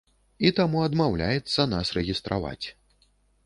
І таму адмаўляецца нас рэгістраваць.